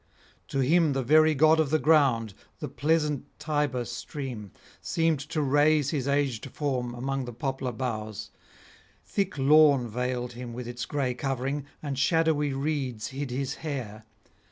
To him the very god of the ground, the pleasant Tiber stream, seemed to raise his aged form among the poplar boughs; thin lawn veiled him with its gray covering, and shadowy reeds hid his hair.